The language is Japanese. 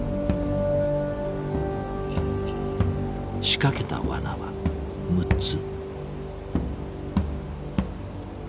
仕掛けたワナは６つ。